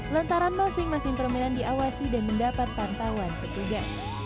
lantaran masing masing permainan diawasi dan mendapat pantauan petugas